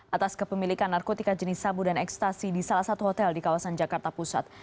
atas kepemilikan narkotika jenis sabu dan ekstasi di salah satu hotel di kawasan jakarta pusat